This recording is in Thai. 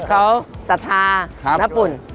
เขาสาธารณปุ่น